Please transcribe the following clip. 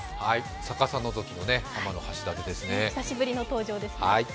逆さのぞきの天橋立ですね。